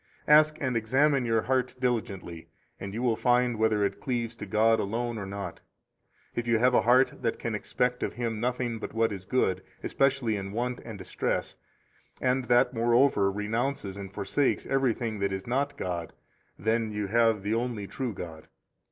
Ask and examine your heart diligently, and you will find whether it cleaves to God alone or not. If you have a heart that can expect of Him nothing but what is good, especially in want and distress, and that, moreover, renounces and forsakes everything that is not God, then you have the only true God.